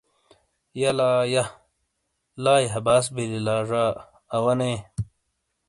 یلا یہہ ، لائی ہَباس بیلی لا زا ۔ اوا نے۔